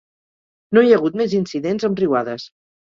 No hi ha hagut més incidents amb riuades.